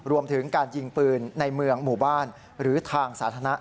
รวมถึงการยิงปืนในเมืองหมู่บ้านหรือทางสาธารณะ